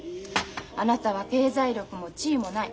あなたは経済力も地位もない